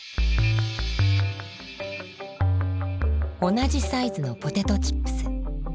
同じサイズのポテトチップス。